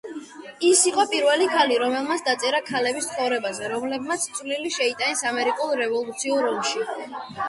ის იყო პირველი ქალი, რომელმაც დაწერა ქალების ცხოვრებაზე, რომლებმაც წვლილი შეიტანეს ამერიკულ რევოლუციურ ომში.